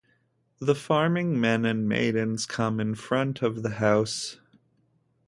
The farming men and maidens come in front of the house.